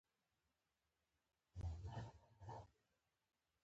دغه ډول ته ځینې خلک محاوره وايي خو متل هم ورته ویل کېږي